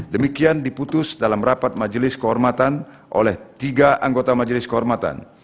demikian diputus dalam rapat majelis kehormatan oleh tiga anggota majelis kehormatan